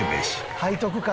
背徳感ね。